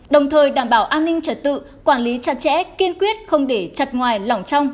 đồng thời đảm bảo an ninh trật tự quản lý chặt chẽ kiên quyết không để chặt ngoài lỏng trong